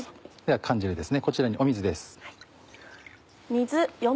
缶汁こちらに水です。